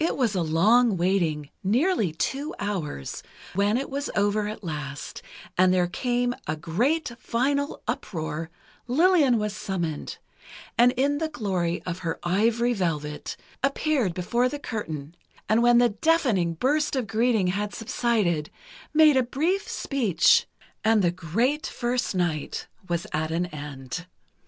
It was a long waiting, nearly two hours, but it was over at last, and there came a great final uproar, Lillian was summoned, and in the glory of her ivory velvet, appeared before the curtain, and when the deafening burst of greeting had subsided, made a brief speech, and the great first night was at an end.